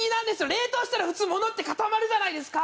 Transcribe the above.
冷凍したら普通物って固まるじゃないですか。